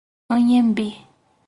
Anhembi